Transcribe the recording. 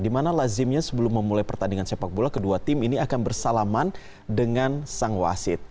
dimana lazimnya sebelum memulai pertandingan sepak bola kedua tim ini akan bersalaman dengan sang wasit